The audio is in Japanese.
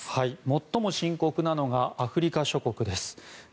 最も深刻なのがアフリカ諸国です。